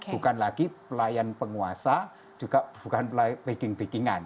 bukan lagi pelayan penguasa juga bukan pelayan peking pekingan